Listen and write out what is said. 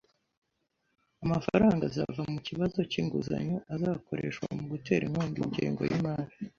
Amafaranga azava mu kibazo cy’inguzanyo azakoreshwa mu gutera inkunga ingengo y’imari